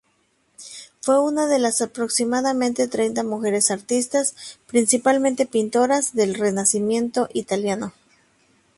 Fue una de las aproximadamente treinta mujeres artistas, principalmente pintoras, del renacimiento italiano.